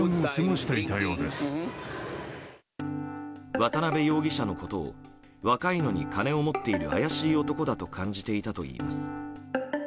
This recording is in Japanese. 渡辺容疑者のことを若いのに金を持っている怪しい男だと感じていたといいます。